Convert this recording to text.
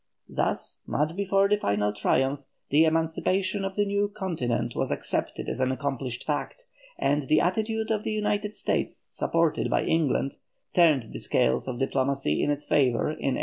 Thus, much before the final triumph, the emancipation of the new continent was accepted as an accomplished fact, and the attitude of the United States supported by England turned the scales of diplomacy in its favour in 1823.